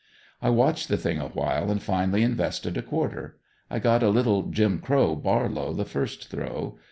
I watched the thing awhile and finally invested a quarter. I got a little "Jim Crow" barlow the first throw.